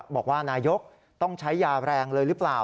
บอกว่านายกต้องใช้ยาแรงเลยหรือเปล่า